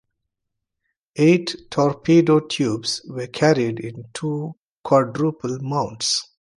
Eight torpedo tubes were carried in two quadruple mounts.